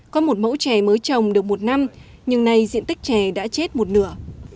có một mẫu trẻ mới trồng được một năm nhưng nay diện tích trẻ đã chết một nửa